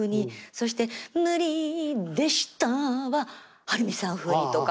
そして「無理でした」ははるみさん風にとか。